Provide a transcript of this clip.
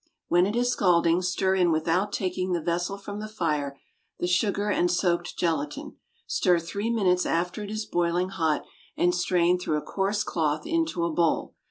When it is scalding, stir in without taking the vessel from the fire, the sugar and soaked gelatine. Stir three minutes after it is boiling hot, and strain through a coarse cloth into a bowl.